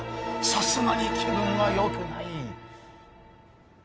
さすがに気分は良くない。